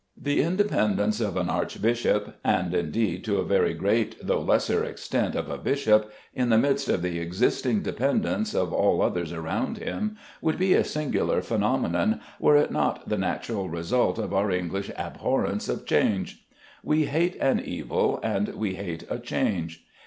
The independence of an archbishop, and indeed to a very great, though lesser extent of a bishop, in the midst of the existing dependence of all others around him, would be a singular phenomenon, were it not the natural result of our English abhorrence of change. We hate an evil, and we hate a change.